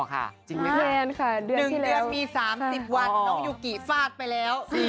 น้องยุกิฟาดไปแล้ว